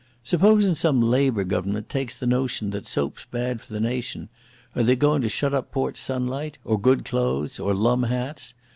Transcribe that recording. Supposin' some Labour Government takes the notion that soap's bad for the nation? Are they goin' to shut up Port Sunlight? Or good clothes? Or lum hats?